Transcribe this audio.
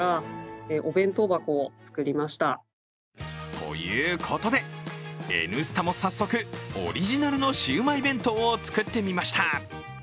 ということで、「Ｎスタ」も早速、オリジナルのシウマイ弁当を作ってみました。